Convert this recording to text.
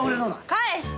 返して。